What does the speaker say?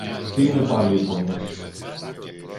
Τι είναι πάλι οι φωνές;